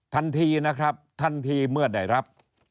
ทันทีนะครับทันทีเมื่อได้รับ